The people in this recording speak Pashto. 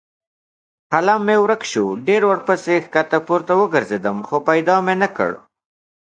قلم مې ورک شو؛ ډېر پسې کښته پورته وګرځېدم خو پیدا مې نه کړ.